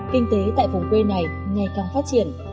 kinh tế tại vùng quê này ngày càng phát triển